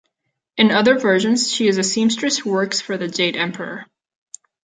In other versions, she is a seamstress who works for the Jade Emperor.